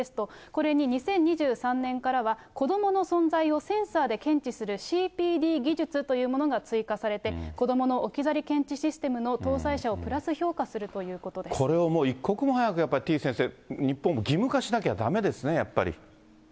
これに２０２３年からは、子どもの存在をセンサーで検知するＣＰＤ技術というものが追加されて、子どもの置き去り検知システムの搭載車をプラス評価するというここれをもう一刻も早くやっぱりてぃ先生、日本も義務化しなきゃだめですね、やっぱり。